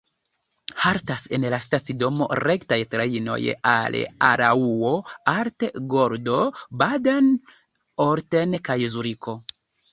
Haltas en la stacidomo rektaj trajnoj al Araŭo, Arth-Goldau, Baden, Olten kaj Zuriko.